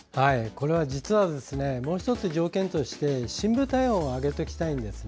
これはもう１つ条件として深部体温を上げておきたいんです。